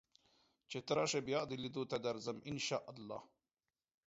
چې ته راشې بیا دې لیدو ته درځم ان شاء الله